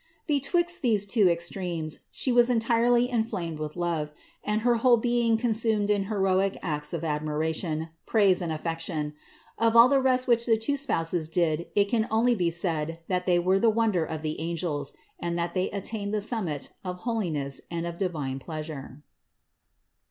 Betwixt these two extremes She was entirely inflamed with love, and her whole being consumed in heroic acts of admiration, praise and affection. Of all the rest which the two Spouses did it can only be said that they were the wonder of the angels, and that they attained the summit of holiness and of divine pleasure.